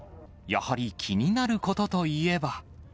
やはり気になることといえば。